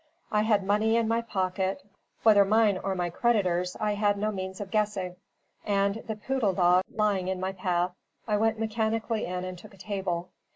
I had money in my pocket, whether mine or my creditors' I had no means of guessing; and, the Poodle Dog lying in my path, I went mechanically in and took a table.